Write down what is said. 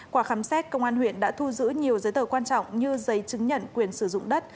qua khám xét công an huyện đã thu giữ nhiều giấy tờ quan trọng như giấy chứng nhận quyền sử dụng đất